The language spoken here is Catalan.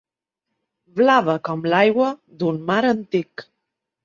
Blava com l’aigua d’un mar antic.